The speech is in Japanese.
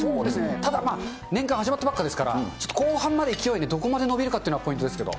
ただまあ、年間始まったばっかですから、ちょっと後半まで勢いね、どこまで伸びるかというのはポイントですけれども。